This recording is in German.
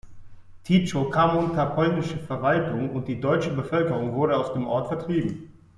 Tychow kam unter polnische Verwaltung, und die deutsche Bevölkerung wurde aus dem Ort vertrieben.